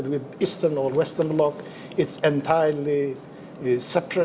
tidak terkait dengan blok utara atau barat